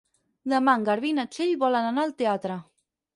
Demà en Garbí i na Txell volen anar al teatre.